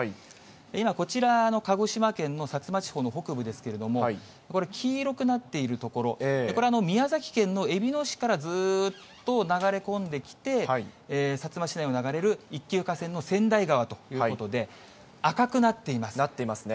今、こちら鹿児島県の薩摩地方の北部ですけれども、これ、黄色くなっている所、これ、宮崎県のえびの市からずっと流れ込んできて、薩摩市内を流れる一級河川の川内川ということで、赤くなっていまなっていますね。